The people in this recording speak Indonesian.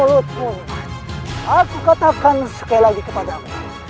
bukan sekali lagi kepadamu